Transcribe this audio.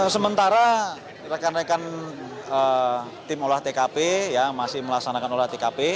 sementara rekan rekan tim olah tkp masih melaksanakan olah tkp